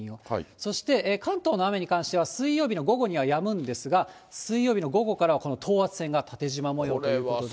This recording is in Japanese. そして関東の雨に関しては、水曜日の午後にはやむんですが、水曜日の午後からはこの等圧線が縦じま模様ということで。